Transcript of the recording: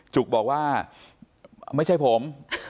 จุกบอกว่าไม่ใช่ผม